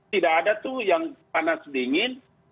tidak ada tuh yang panas dingin